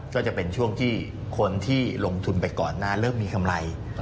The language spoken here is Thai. ก็จะเป็นช่วงที่คนที่ลงทุนไปก่อนหน้าเริ่มมีกำไร